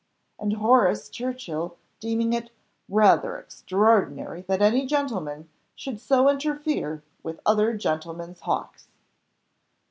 and Horace Churchill deeming it "Rather extraordinary that any gentleman should so interfere with other gentlemen's hawks."